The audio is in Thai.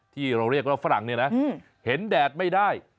ที่เราเรียกว่าฝรั่งเนี่ยนะเห็นแดดไม่ได้